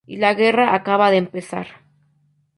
Y la guerra acaba de empezar.